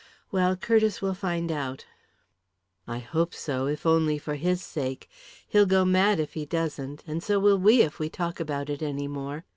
Well, Curtiss will find out." "I hope so, if only for his sake. He'll go mad if he doesn't and so will we, if we talk about it any more.